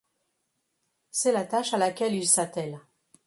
C’est la tâche à laquelle il s’attelle.